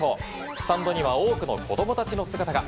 スタンドには多くの子供たちの姿が。